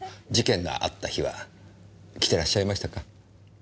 事件があった日は来てらっしゃいましたか？